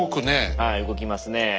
はい動きますね。